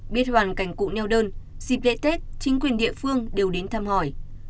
biết hoàn cảnh cụ neo đơn dịp lễ tết chính quyền địa phương đều đến thăm hỏi